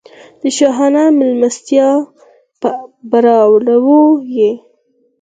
د شاهانه مېلمستیا په برابرولو یې.